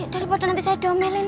daripada nanti saya domelin